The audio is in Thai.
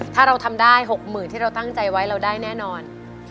ถ้าเราทำได้๖๐๐๐ที่เราตั้งใจไว้เราได้แน่นอน